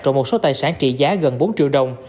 trộm một số tài sản trị giá gần bốn triệu đồng